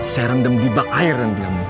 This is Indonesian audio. saya rendam di bak air nanti kamu